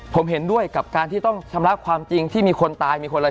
ผมเห็นด้วยกับการที่ต้องชำระความจริงที่มีคนตายมีคนอะไร